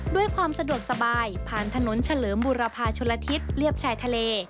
ด้วยความสะดวกสบายผ่านถนนเฉลิมบุรพาชุลทิศเรียบชายทะเล